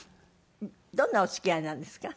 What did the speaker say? どんなお付き合いなんですか？